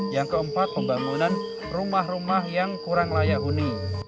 yang keempat pembangunan rumah rumah yang kurang layak huni